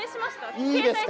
いいですか？